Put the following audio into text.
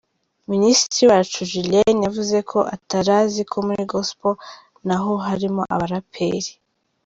Minisitiri Uwacu Julienne yavuze ko atarazi ko muri Gospel na ho harimo abaraperi.